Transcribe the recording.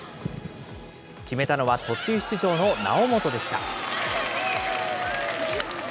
決めたのは途中出場の猶本でした。